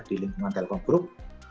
di lingkungan telkom group